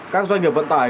các doanh nghiệp vận tải